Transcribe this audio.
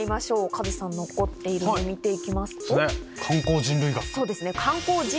カズさん残っているの見ていきますと。